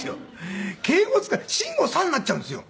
敬語使って慎吾さんになっちゃうんですよ。